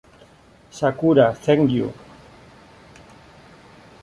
Sakura Thank You